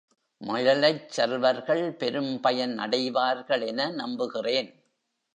மழலைச் செல்வர்கள் பெரும்பயன் அடைவார்கள் என நம்புகிறேன்.